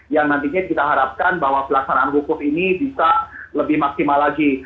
yang nantinya kita harapkan bahwa pelaksanaan wukuf ini bisa lebih maksimal lagi